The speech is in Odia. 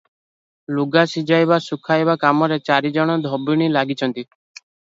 ଲୁଗା ସିଝାଇବା ଶୁଖାଇବା କାମରେ ଚାରି ଜଣ ଧୋବଣୀ ଲାଗିଛନ୍ତି ।